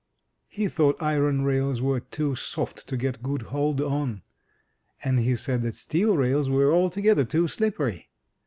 He thought iron rails were too soft to get good hold on, and he said that steel rails were altogether too slippery.